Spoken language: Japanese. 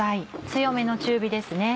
強めの中火ですね。